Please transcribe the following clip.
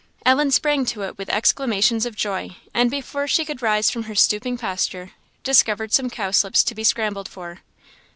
Ellen sprang to it with exclamations of joy, and, before she could rise from her stooping posture, discovered some cowslips to be scrambled for.